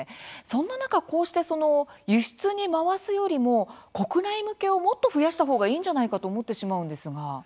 そんな中こうして輸出に回すよりも国内向けをもっと増やしたほうがいいんじゃないかと思ってしまうんですが。